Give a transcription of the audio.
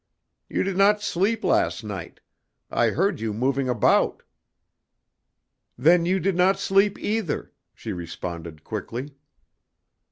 You did not sleep last night; I heard you moving about." "Then you did not sleep either," she responded quickly.